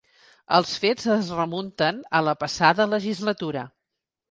Els fets es remunten a la passada legislatura.